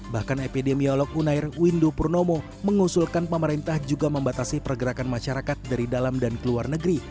bahkan epidemiolog unair windu purnomo mengusulkan pemerintah juga membatasi pergerakan masyarakat dari dalam dan ke luar negeri